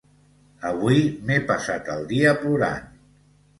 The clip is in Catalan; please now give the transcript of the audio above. Avui m'he passat el dia plorant.